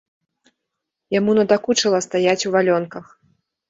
Яму надакучыла стаяць у валёнках.